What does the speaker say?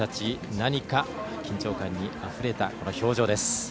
何か、緊張感にあふれた表情です。